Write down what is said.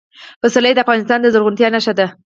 پسرلی د افغانستان د زرغونتیا نښه ده.